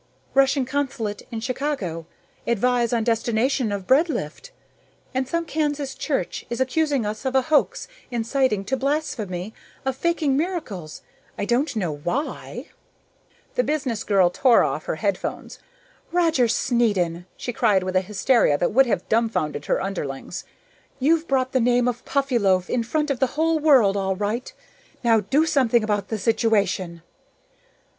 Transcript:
Russian Consulate in Chicago: Advise on destination of bread lift. And some Kansas church is accusing us of a hoax inciting to blasphemy, of faking miracles I don't know why." The business girl tore off her headphones. "Roger Snedden," she cried with a hysteria that would have dumfounded her underlings, "you've brought the name of Puffyloaf in front of the whole world, all right! Now do something about the situation!"